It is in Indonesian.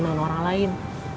dengan orang lain